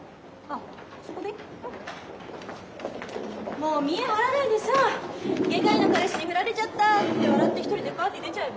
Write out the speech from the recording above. もう見栄張らないでさ外科医の彼氏に振られちゃったって笑って一人でパーティー出ちゃえば？